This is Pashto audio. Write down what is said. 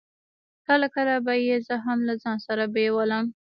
کله کله به يې زه هم له ځان سره بېولم.